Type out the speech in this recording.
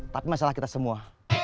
tapi masalah kita semua